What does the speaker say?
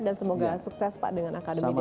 dan semoga sukses pak dengan akademi desa empat nya